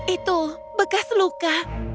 itu bekas luka